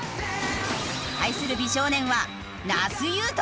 対する美少年は那須雄登。